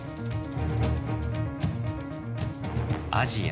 アジア